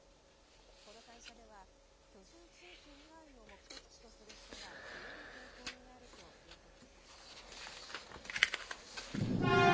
この会社では、居住地域以外を目的地とする人が増える傾向にあると分析しています。